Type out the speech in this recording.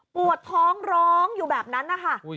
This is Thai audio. ปวดท้องร้องอยู่แบบนั้นนะคะ